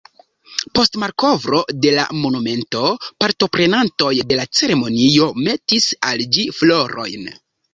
Post malkovro de la monumento partoprenantoj de la ceremonio metis al ĝi florojn.